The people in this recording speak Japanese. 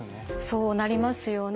そうなりますよね。